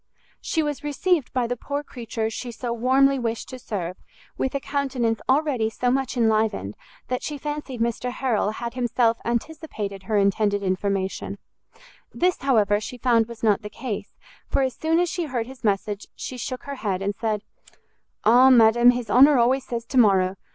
She was received by the poor creature she so warmly wished to serve with a countenance already so much enlivened, that she fancied Mr Harrel had himself anticipated her intended information: this, however, she found was not the case, for as soon as she heard his message, she shook her head, and said, "Ah, madam, his honour always says to morrow!